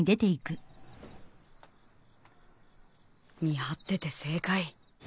見張ってて正解。